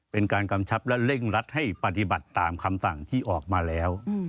กำชับและเร่งรัดให้ปฏิบัติตามคำสั่งที่ออกมาแล้ว